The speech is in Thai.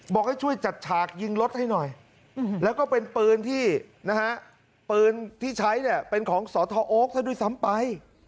บอกให้ช่วยจัดฉากยิงรถให้หน่อยแล้วก็เป็นปืนที่นะฮะปืนที่ใช้เนี่ยเป็นของสทโอ๊คซะด้วยซ้ำไป